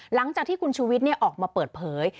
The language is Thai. หลังจากที่คุณชูวิทย์ออกมาเปิดเผย